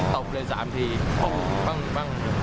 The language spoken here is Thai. ตบเลยสามทีปุ้งปุ้งปุ้ง